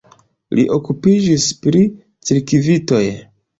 Li okupiĝis pri cirkvitoj.